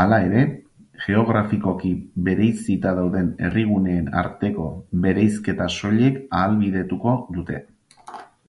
Hala ere, geografikoki bereizita dauden herri guneen arteko bereizketa soilik ahalbidetuko dute.